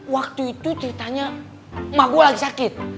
waktu itu ceritanya emak gue lagi sakit